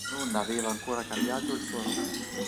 Non aveva ancora cambiato il suo nome.